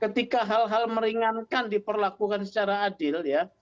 ketika hal hal meringankan diperlakukan secara adil ya